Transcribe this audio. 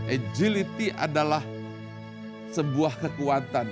agility adalah sebuah kekuatan